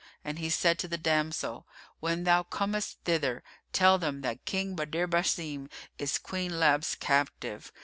And he said to the damsel, "When thou comest thither, tell them that King Badr Basim is Queen Lab's captive."